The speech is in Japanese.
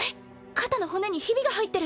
肩の骨にひびが入ってる。